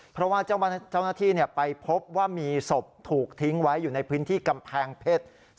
เพราะว่าเจ้าหน้าที่ไปพบว่ามีศพถูกทิ้งไว้อยู่ในพื้นที่กำแพงเพชร